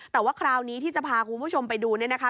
แต่ว่าคราวนี้ที่จะพาคุณผู้ชมไปดูเนี่ยนะคะ